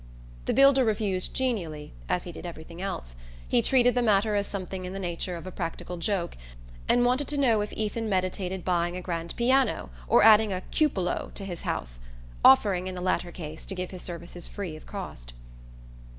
The builder refused genially, as he did everything else: he treated the matter as something in the nature of a practical joke, and wanted to know if Ethan meditated buying a grand piano or adding a "cupolo" to his house; offering, in the latter case, to give his services free of cost.